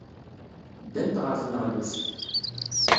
Ddant ɣer tneɣlust.